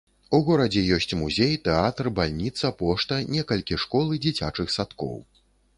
У горадзе ёсць музей, тэатр, бальніца, пошта, некалькі школ і дзіцячых садкоў.